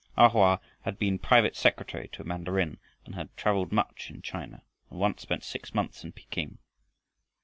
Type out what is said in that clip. A Hoa had been private secretary to a mandarin, and had traveled much in China, and once spent six months in Peking.